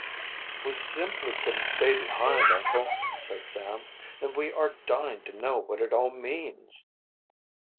"We simply couldn't stay behind, uncle," said Sam. "And we are dying to know what it all means."